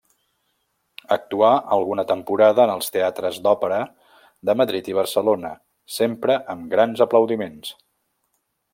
Actuà alguna temporada en els teatres d’òpera de Madrid i Barcelona, sempre amb grans aplaudiments.